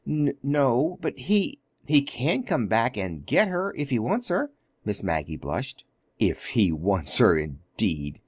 "N no, but he—he can come back and get her—if he wants her." Miss Maggie blushed. "If he wants her, indeed!"